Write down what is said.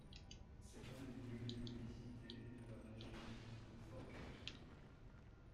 C'est un des lieux les plus visités de la région de Forcalquier.